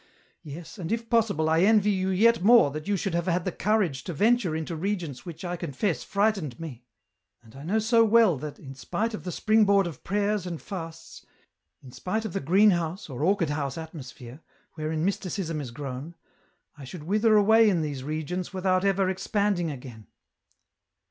" Yes, and if possible, I envy you yet more that you should have had the courage to venture into regions which, I confess, frightened me. And I know so well that, in spite of the spring board of prayers and fasts, in spite of the green house, or orchid house atmosphere, wherein mysticism is grown, I should wither away in these regions without ever expanding again."